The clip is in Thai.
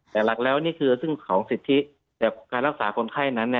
แต่หลักแล้วนี่คือซึ่งของสิทธิแต่การรักษาคนไข้นั้น